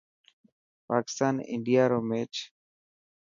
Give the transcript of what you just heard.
پاڪستان انڊيا رو ميچ